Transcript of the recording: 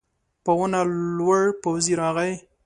په ونه لوړ پوځي راغی.